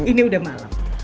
ini udah malam